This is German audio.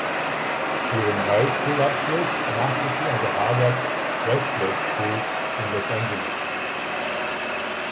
Ihren High School-Abschluss machte sie an der Harvard-Westlake-School in Los Angeles.